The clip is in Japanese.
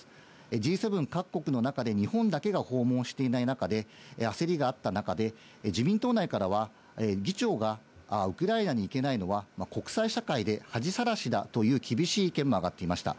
Ｇ７各国の中で日本だけが訪問していない中で、焦りがあった中で、自民党内からは議長がウクライナに行けないのは国際社会で恥さらしだという厳しい意見もあがっていました。